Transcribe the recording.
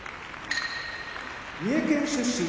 三重県出身